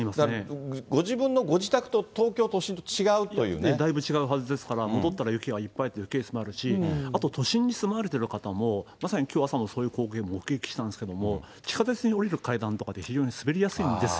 ご自分のご自宅と東京都心と違うだいぶ違うはずですから、戻ったら雪がいっぱいというケースもあるし、あと都心に住まわれてる方も、まさにきょう朝もそういう光景を目撃したんですけれども、地下鉄に下りる階段とかって非常に滑りやすいんですよ。